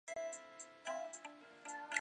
建构亚太金融中心